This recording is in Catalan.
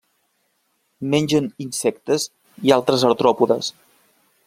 Mengen insectes i altres artròpodes.